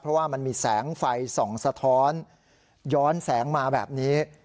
เพราะว่ามันมีแสงไฟส่องสะท้อนย้อนแสงมาแบบนี้